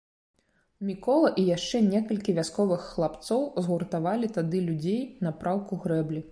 Мікола і яшчэ некалькі вясковых хлапцоў згуртавалі тады людзей на праўку грэблі.